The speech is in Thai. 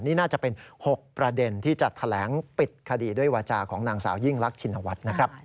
นี่น่าจะเป็น๖ประเด็นที่จะแถลงปิดคดีด้วยวาจาของนางสาวยิ่งรักชินวัฒน์นะครับ